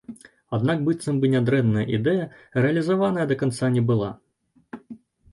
Аднак быццам бы нядрэнная ідэя рэалізаваная да канца не была.